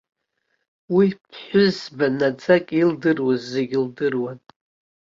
Уи ԥҳәызба наӡак илдыруаз зегьы лдыруан.